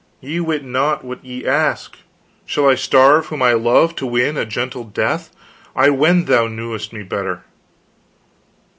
Ye wit not what ye ask. Shall I starve whom I love, to win a gentle death? I wend thou knewest me better."